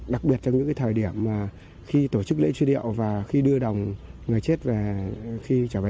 đặc biệt trong những thời điểm khi tổ chức lễ truyền điệu và khi đưa đồng người chết về